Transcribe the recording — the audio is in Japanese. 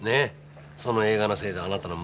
その映画のせいであなたの息子さんは。